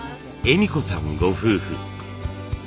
惠美子さんご夫婦。